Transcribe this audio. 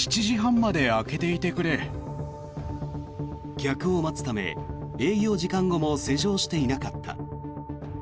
客を待つため、営業時間後も施錠していなかった。